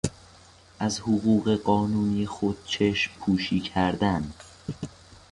از حقوق قانونی خود چشم پوشی کردن